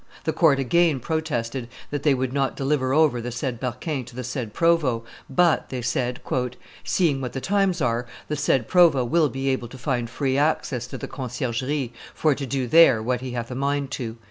The court again protested that they would not deliver over the said Berquin to the said provost; but, they said, "seeing what the times are, the said provost will be able to find free access to the Conciergerie, for to do there what he hath a mind to."